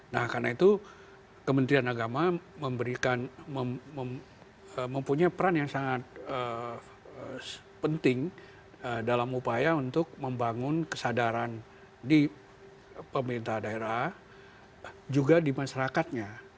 nah karena itu kementerian agama mempunyai peran yang sangat penting dalam upaya untuk membangun kesadaran di pemerintah daerah juga di masyarakatnya